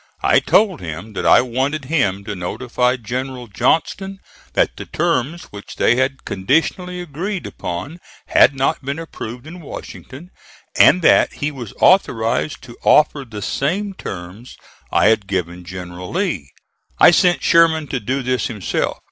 I told him that I wanted him to notify General Johnston that the terms which they had conditionally agreed upon had not been approved in Washington, and that he was authorized to offer the same terms I had given General Lee. I sent Sherman to do this himself.